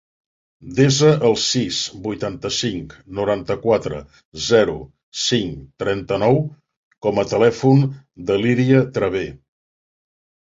Desa el sis, vuitanta-cinc, noranta-quatre, zero, cinc, trenta-nou com a telèfon de l'Iria Traver.